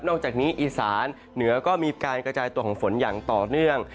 อกจากนี้อีสานเหนือก็มีการกระจายตัวของฝนอย่างต่อเนื่อง